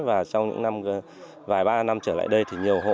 trong vài ba năm trở lại đây thì nhiều hộ